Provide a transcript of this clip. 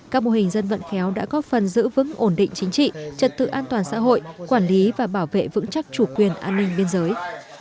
các mô hình dân vận khéo đã góp phần giữ vững ổn định chính trị trật tự an toàn xã hội quản lý và bảo vệ vững chắc chủ quyền an ninh biên giới